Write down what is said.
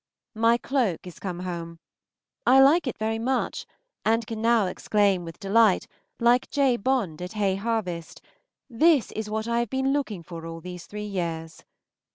My cloak is come home. I like it very much, and can now exclaim with delight, like J. Bond at hay harvest, "This is what I have been looking for these three years."